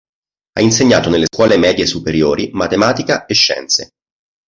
Ha insegnato nelle scuole medie superiori matematica e scienze.